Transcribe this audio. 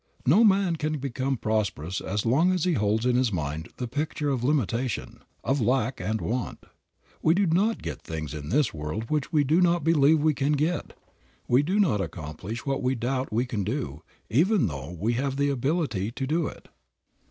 No man can become prosperous as long as he holds in his mind the picture of limitation, of lack and want. We do not get things in this world which we do not believe we can get. We do not accomplish what we doubt we can do, even though we have the ability to do it.